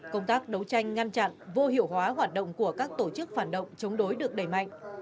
công tác đấu tranh ngăn chặn vô hiệu hóa hoạt động của các tổ chức phản động chống đối được đẩy mạnh